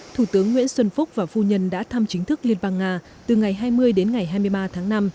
thủ tướng nguyễn xuân phúc và phu nhân đã thăm chính thức liên bang nga từ ngày hai mươi đến ngày hai mươi ba tháng năm